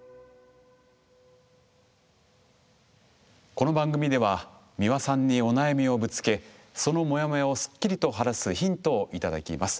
この番組では美輪さんにお悩みをぶつけそのモヤモヤをすっきりと晴らすヒントを頂きます。